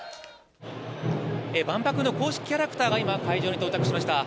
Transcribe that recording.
万博の公式キャラクターが今、会場に到着しました。